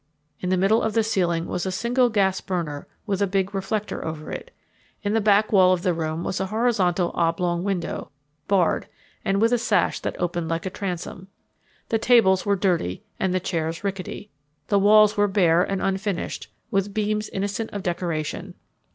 In the middle of the ceiling was a single gas burner with a big reflector over it. In the back wall of the room was a horizontal oblong window, barred, and with a sash that opened like a transom. The tables were dirty and the chairs rickety. The walls were bare and unfinished, with beams innocent of decoration.